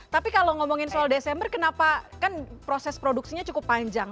tapi kalau ngomongin soal desember kenapa kan proses produksinya cukup panjang